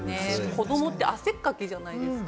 子どもって汗かきじゃないですか、